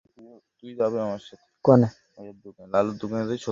সরকার চেষ্টা করবে বাস্তবতার নিরিখে যেটা ঠিক, সেটাই যেন তাঁরা পান।